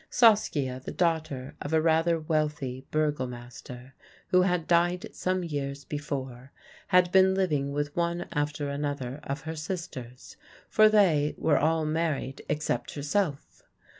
Saskia, the daughter of a rather wealthy burgomaster who had died some years before, had been living with one after another of her sisters; for they, were all married except herself.